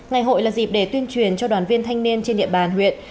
ngày hội là dịp để tuyên truyền cho đoàn viên thanh niên trên địa bàn huyện